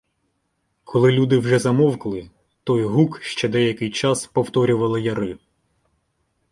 Коли люди вже замовкли, той гук ще деякий час повторювали яри.